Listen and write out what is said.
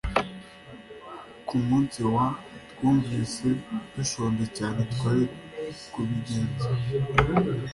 Ku munsi wa twumvise dushonje cyane Twari kubigenza